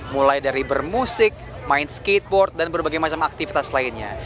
mulai dari bermusik main skateboard dan berbagai macam aktivitas lainnya